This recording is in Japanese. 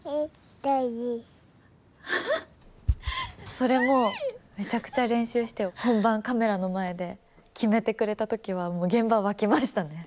それもめちゃくちゃ練習して本番カメラの前で決めてくれた時はもう現場沸きましたね。